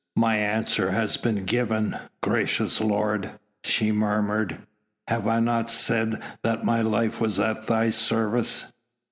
"My answer has been given, gracious lord," she murmured, "have I not said that my life was at thy service?"